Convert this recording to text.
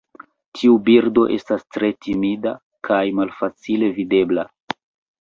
Tiu birdo estas tre timida kaj malfacile videbla.